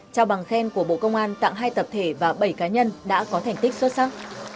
trao bằng khen của bộ công an tặng hai tập thể và bảy cá nhân đã có thành tích xuất sắc